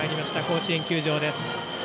甲子園球場です。